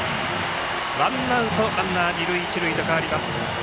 ワンアウトランナー、二塁一塁と変わります。